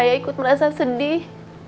saya ikut merasa sedih